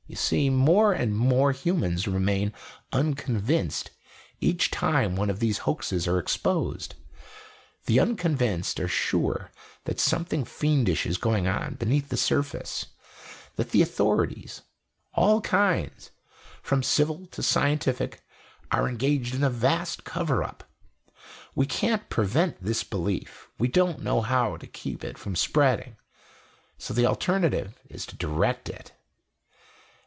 You see, more and more humans remain unconvinced each time one of these hoaxes are exposed. The unconvinced are sure that something fiendish is going on beneath the surface, that the authorities all kinds from civil to scientific are engaged in a vast cover up. We can't prevent this belief; we don't know how to keep it from spreading. So the alternative is to direct it."